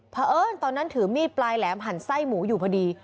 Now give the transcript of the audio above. เพราะเอิ้นตอนนั้นถือมีดปลายแหลมหั่นไส้หมูอยู่พอดี